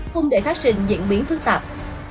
không để phát sinh diễn biến phức tạp